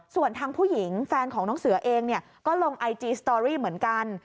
ส่วนทางผู้หญิงแฟนของน้องเสือเองก็ลงไอจีสตอรี่เหมือนกัน